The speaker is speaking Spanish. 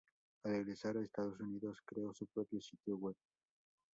Al regresar a Estados Unidos, creó su propio sitio web.